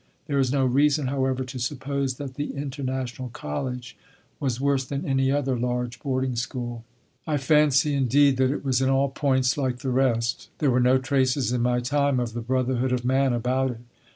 There is no reason, however, to suppose that the International College was worse than any other large boarding school. I fancy, indeed, that it was in all points like the rest. There were no traces in my time of the Brotherhood of Man about it.